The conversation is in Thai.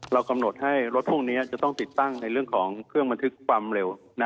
กำหนดให้รถพวกนี้จะต้องติดตั้งในเรื่องของเครื่องบันทึกความเร็ว